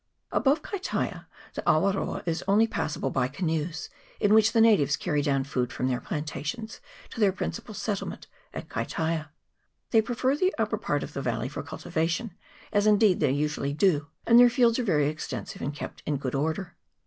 Above Kaitaia the Awaroa is only passable by canoes, in which the natives carry down food from their plantations to their principal settlement at Kaitaia. They prefer the upper part of the valley for culti vation, as indeed they usually do ; and their fields are very extensive, and kept in good order.